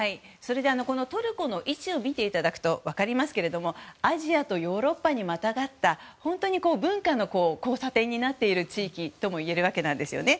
トルコの位置を見ていただくと分かりますがアジアとヨーロッパにまたがった本当に文化の交差点になっている地域ともいえるわけですね。